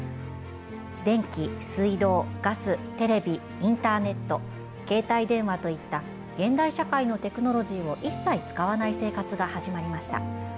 電気、水道、ガス、テレビインターネット携帯電話といった現代社会のテクノロジーを一切使わない生活が始まりました。